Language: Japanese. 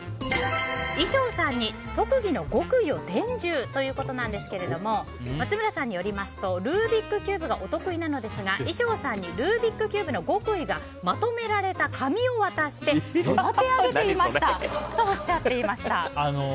衣装さんに特技の極意を伝授！ということなんですけれども松村さんによりますとルービックキューブがお得意なのですが衣装さんにルービックキューブの極意がまとめられた紙を渡して育て上げていましたと覚えています。